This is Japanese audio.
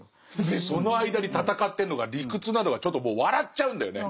でその間に戦ってるのが理屈なのがちょっともう笑っちゃうんだよね。